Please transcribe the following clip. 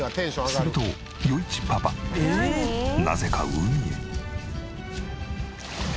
すると余一パパなぜか海へ。